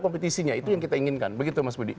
kompetisinya itu yang kita inginkan begitu mas budi